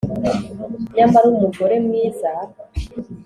nyamara umugore mwiza